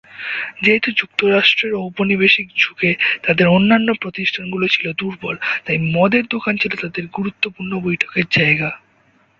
যেহেতু যুক্তরাস্ট্রের ঔপনিবেশিক যুগে তাদের অন্যান্য প্রতিষ্ঠানগুলো ছিলো দুর্বল তাই, মদের দোকান ছিলো তাদের গুরুত্বপূর্ণ বৈঠকের জায়গা।